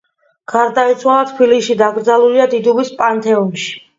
გარდაიცვალა თბილისში, დაკრძალულია დიდუბის პანთეონში.